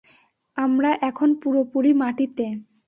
আমরা এখন পুরোপুরি মাটিতে!